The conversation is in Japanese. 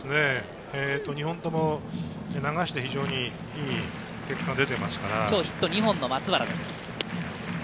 ２本とも流して非常にい今日ヒット２本の松原です。